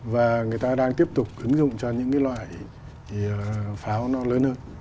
và người ta đang tiếp tục ứng dụng cho những loại pháo lớn hơn